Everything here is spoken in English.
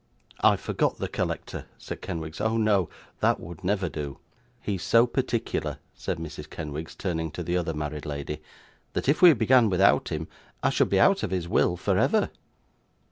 'I forgot the collector,' said Kenwigs; 'oh no, that would never do.' 'He's so particular,' said Mrs. Kenwigs, turning to the other married lady, 'that if we began without him, I should be out of his will for ever.